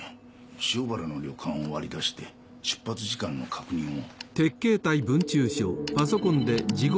塩原の旅館を割り出して出発時間の確認を。